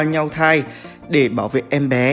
nhau thai để bảo vệ em bé